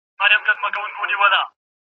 چا ویل چي زوړ سو جهاني له نغمې پرېوتی